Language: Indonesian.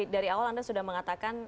dari awal anda sudah mengatakan